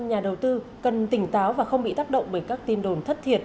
nhà đầu tư cần tỉnh táo và không bị tác động bởi các tin đồn thất thiệt